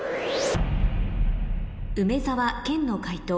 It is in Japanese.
梅沢・研の解答